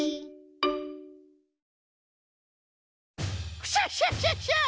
クシャシャシャシャ！